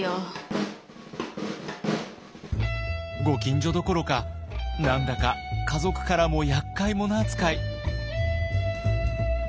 ご近所どころか何だか家族からもやっかい者扱い。